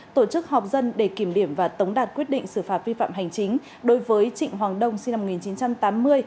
tổ chức họp dân để kiểm điểm và tống đạt quyết định xử phạt vi phạm hành chính đối với trịnh hoàng đông sinh năm một nghìn chín trăm tám mươi